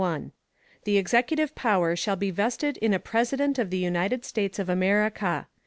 The executive Power shall be vested in a President of the United States of America.